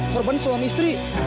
korban suami istri